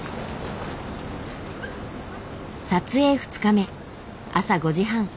撮影２日目朝５時半。